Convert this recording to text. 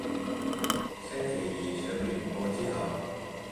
星期二上完課之後